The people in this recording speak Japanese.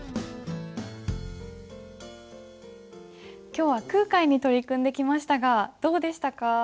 今日は空海に取り組んできましたがどうでしたか？